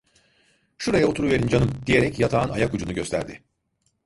"Şuraya oturuverin canım!" diyerek yatağın ayakucunu gösterdi.